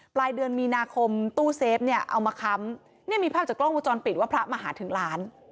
ปลายเดือนมีนาคมตู้เซฟเนี่ยเอามาค้ำเนี่ยมีภาพจากกล้องวงจรปิดว่าพระมาหาถึงร้าน